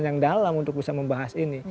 yang dalam untuk bisa membahas ini